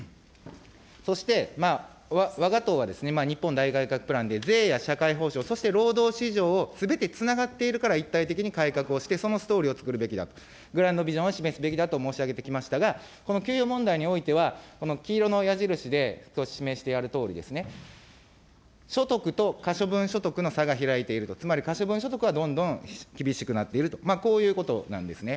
そしてわが党はですね、日本大改革プランで、税や社会保障、そして労働市場をすべてつながっているから一体的に改革をして、そのストーリーをつくるべきだと、グランドビジョンを示すべきだと申し上げてきましたが、この給与問題においては、黄色の矢印で示してあるとおりですね、所得と可処分所得の差が開いていると、つまり可処分所得はどんどん厳しくなっていると、こういうことなんですね。